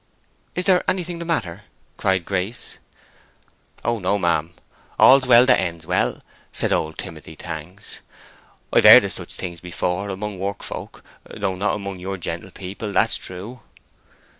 "Is there anything the matter?" cried Grace. "Oh no, ma'am. All's well that ends well," said old Timothy Tangs. "I've heard of such things before—among workfolk, though not among your gentle people—that's true."